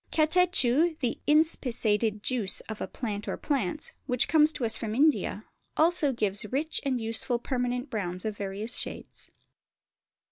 Catechu, the inspissated juice of a plant or plants, which comes to us from India, also gives rich and useful permanent browns of various shades.